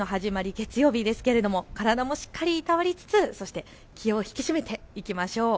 月曜日ですけれども体もしっかりいたわりつつ気を引き締めていきましょう。